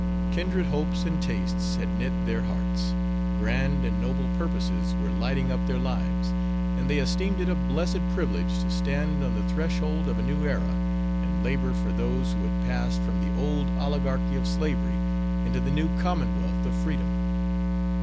Kindred hopes and tastes had knit their hearts; grand and noble purposes were lighting up their lives; and they esteemed it a blessed privilege to stand on the threshold of a new era and labor for those who had passed from the old oligarchy of slavery into the new commonwealth of freedom.